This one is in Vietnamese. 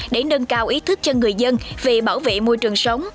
để nâng cao ý thức cho người dân về bảo vệ môi trường sống